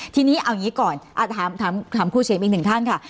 ทีนี้เอาอย่างนี้ก่อนถามครูเฉียมอีกหนึ่งท่านค่ะ